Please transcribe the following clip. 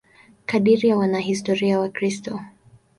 Kadiri ya wanahistoria Wakristo.